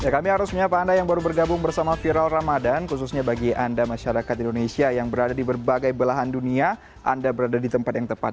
kami harus menyapa anda yang baru bergabung bersama viral ramadan khususnya bagi anda masyarakat indonesia yang berada di berbagai belahan dunia anda berada di tempat yang tepat